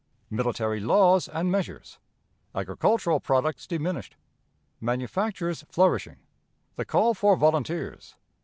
Military Laws and Measures. Agricultural Products diminished. Manufactures flourishing. The Call for Volunteers.